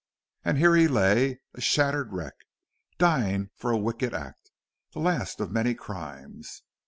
And here he lay, a shattered wreck, dying for a wicked act, the last of many crimes.